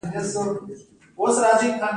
روبوټونه د خوندي چاپېریال د جوړولو برخه دي.